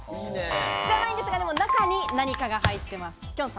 じゃないんですが、中に何かが入ってます。